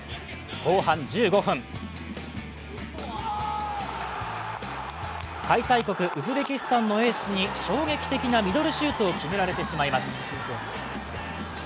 後半１５分、開催国ウズベキスタンのエースに衝撃的なミドルシュートを決められてしまいます。